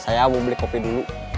saya mau beli kopi dulu